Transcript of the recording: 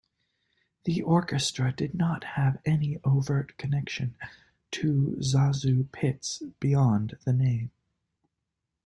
The Orchestra did not have any overt connection to ZaSu Pitts beyond the name.